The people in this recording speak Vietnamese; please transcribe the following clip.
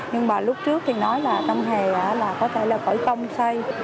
nhưng mà lúc trước thì nói là tâm hề là có thể là khỏi công xây